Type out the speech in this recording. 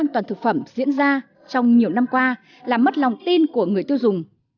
an toàn thực phẩm diễn ra trong nhiều năm qua làm mất lòng tin của người tiêu dùng